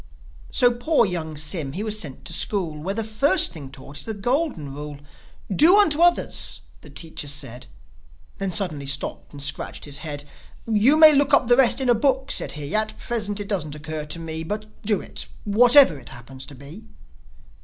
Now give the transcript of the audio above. So poor young Sym, he was sent to school, Where the first thing taught is the Golden Rule. "Do unto others," the teacher said ... Then suddenly stopped and scratched his head. "You may look up the rest in a book," said he. "At present it doesn't occur to me; But do it, whatever it happens to be."